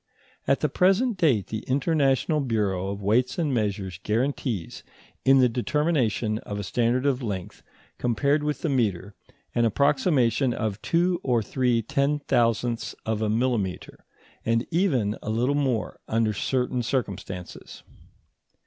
At the present date the International Bureau of Weights and Measures guarantees, in the determination of a standard of length compared with the metre, an approximation of two or three ten thousandths of a millimetre, and even a little more under certain circumstances.